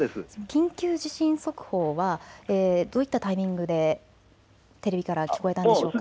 緊急地震速報はどういったタイミングでテレビから聞こえたんでしょうか。